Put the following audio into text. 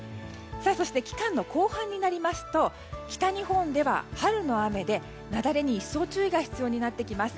そして期間の後半になりますと北日本では春の雨で雪崩に一層注意が必要になってきます。